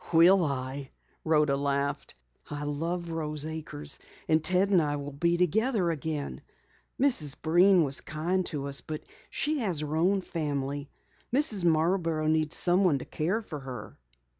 "Will I?" Rhoda laughed. "I love Rose Acres, and Ted and I will be together again! Mrs. Breen was kind to us, but she has her own family. Mrs. Marborough needs someone to care for her."